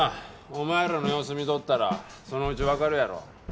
お前らの様子見とったらそのうちわかるやろ。